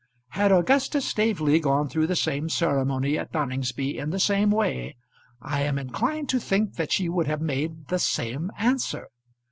Had Augustus Staveley gone through the same ceremony at Noningsby in the same way I am inclined to think that she would have made the same answer.